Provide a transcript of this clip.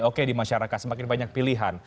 oke di masyarakat semakin banyak pilihan